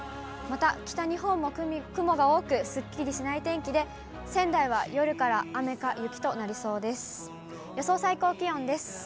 また北日本も雲が多く、すっきりしない天気で、仙台は夜から雨か雪となりそうです。